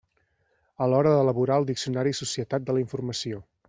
A l'hora d'elaborar el diccionari Societat de la informació.